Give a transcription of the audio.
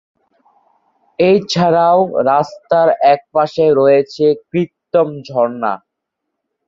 এছাড়াও রাস্তার একপাশে রয়েছে কৃত্রিম ঝরনা।